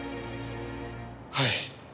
はい。